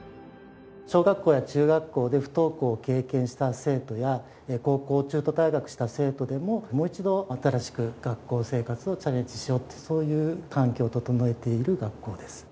小学校や中学校で不登校を経験した生徒や高校を中途退学した生徒でももう一度新しく学校生活をチャレンジしようってそういう環境を整えている学校です。